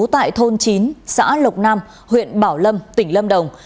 tại thôn chín xã lộc nam huyện bảo lâm tỉnh lâm đồng